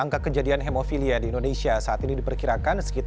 angka kejadian hemofilia di indonesia saat ini diperkirakan sekitar dua puluh tujuh